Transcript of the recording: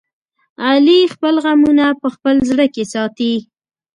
علي خپل غمونه په خپل زړه کې ساتي.